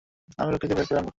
আমি রক্ষীদের বের করে আনব।